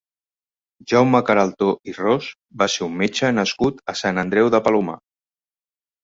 Jaume Queraltó i Ros va ser un metge nascut a Sant Andreu de Palomar.